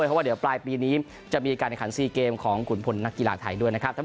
เพราะว่าเดี๋ยวปลายปีนี้จะมีการแข่งขัน๔เกมของขุนพลนักกีฬาไทยด้วยนะครับ